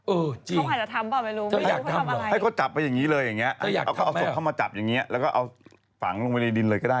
เออจริงจะอยากทำเหรอให้เขาจับไปอย่างนี้เลยอย่างเงี้ยเอาศพเข้ามาจับอย่างเงี้ยแล้วก็เอาฝังลงไปในดินเลยก็ได้